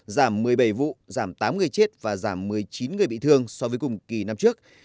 giảm một mươi bảy vụ giảm tám người chết và giảm một mươi chín người bị thương so với cùng kỳ năm trước